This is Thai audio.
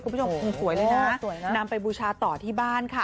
คุณผู้ชมคงสวยเลยนะนำไปบูชาต่อที่บ้านค่ะ